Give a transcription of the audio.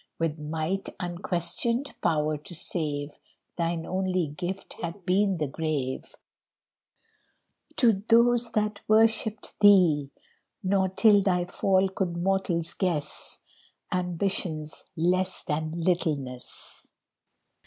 With might unquestioned power to save Thine only gift hath been the grave To those that worshiped thee; Nor till thy fall could mortals guess Ambition's less than littleness!